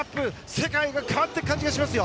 世界が変わっていく感じがしますよ。